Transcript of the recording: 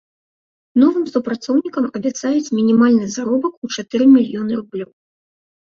Новым супрацоўнікам абяцаюць мінімальны заробак у чатыры мільёны рублёў.